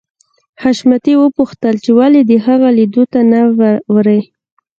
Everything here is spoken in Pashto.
حشمتي وپوښتل چې ولې د هغه لیدو ته نه ورې